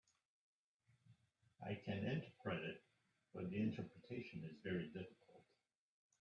I can interpret it, but the interpretation is very difficult.